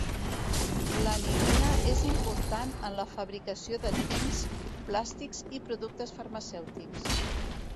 L'anilina és important en la fabricació de tints, plàstics i productes farmacèutics.